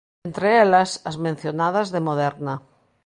Entre elas, as mencionadas de Moderna.